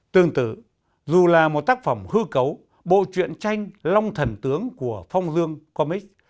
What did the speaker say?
tương tự dù là một tác phẩm hư cấu bộ truyện tranh long thần tướng của phong dương comics